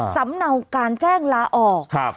สำเนาการแจ้งลาออก